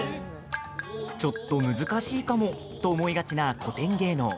「ちょっと難しいかも」と思いがちな古典芸能。